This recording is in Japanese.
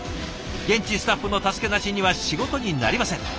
現地スタッフの助けなしには仕事になりません。